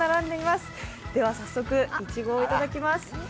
では早速、いちごをいただきます。